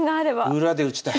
裏で打ちたい。